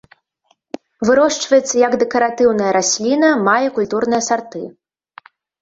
Вырошчваецца як дэкаратыўная расліна, мае культурныя сарты.